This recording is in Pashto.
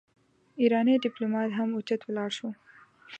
ايرانی ډيپلومات هم اوچت ولاړ شو.